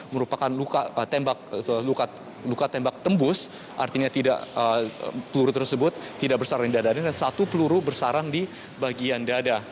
merupakan luka tembak tembus artinya tidak peluru tersebut tidak bersarang di dadanya dan satu peluru bersarang di bagian dada